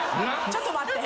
ちょっと待って。